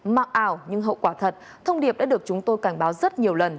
mạng ảo nhưng hậu quả thật thông điệp đã được chúng tôi cảnh báo rất nhiều lần